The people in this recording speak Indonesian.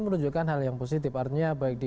menunjukkan hal yang positif artinya baik di